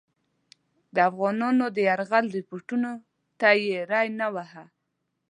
د افغانانو د یرغل رپوټونو ته یې ری نه واهه.